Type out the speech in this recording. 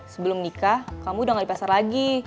sebelum nikah kamu udah gak di pasar lagi